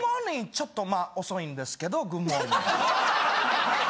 ちょっとまあ遅いんですけどグッモーニン。